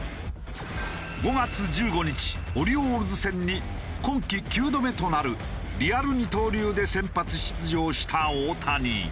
５月１５日オリオールズ戦に今季９度目となるリアル二刀流で先発出場した大谷。